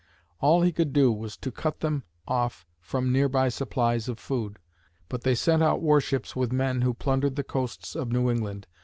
All he could do was to cut them off from nearby supplies of food, but they sent out warships with men who plundered the coasts of New England.